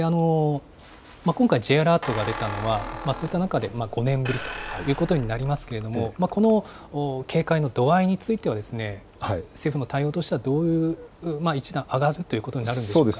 今回、Ｊアラートが出たのは、そういった中で、５年ぶりということになりますけれども、この警戒の度合いについては政府の対応としてはどういう、一段上がるということになるんでしょうか。